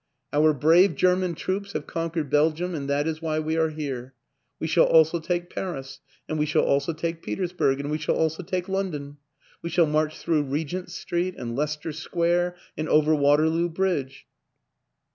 " Our brave German troops have conquered Belgium and that is why we are here. We shall also take Paris and we shall also take Petersburg and we shall also take London, We shall march through Regent Street and Leicester Square and orer Waterloo Bridge.